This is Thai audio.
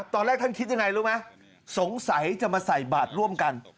ตอนแรกท่านคิดยังไงรู้ไหมสงสัยจะมาใส่บาทร่วมกัน